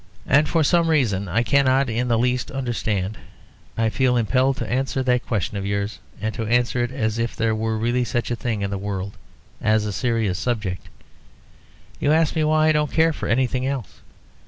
And for some reason I cannot in the least understand, I feel impelled to answer that question of yours, and to answer it as if there were really such a thing in the world as a serious subject. You ask me why I don't care for anything else.